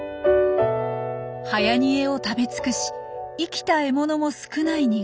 はやにえを食べ尽くし生きた獲物も少ない２月。